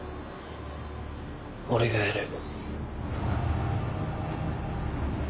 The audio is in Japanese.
俺がやる。